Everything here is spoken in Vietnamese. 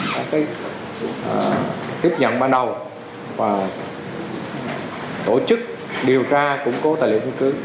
các cái tiếp nhận ban đầu và tổ chức điều tra củng cố tài liệu phương chứng